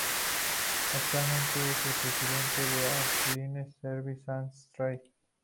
Actualmente es el presidente de Airlines Service and Trade.